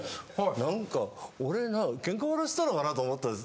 何か俺が喧嘩売らせたのかなと思ったんです。